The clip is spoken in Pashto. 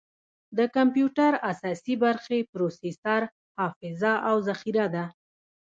د کمپیوټر اساسي برخې پروسیسر، حافظه، او ذخیره ده.